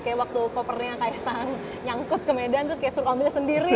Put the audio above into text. kayak waktu kopernya kaisang nyangkut ke medan terus kayak suruh ambil sendiri